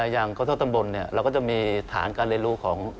อย่างข้าวตำบลเราก็จะมีฐานการเรียนรู้ของ